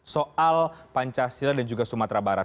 soal pancasila dan juga sumatera barat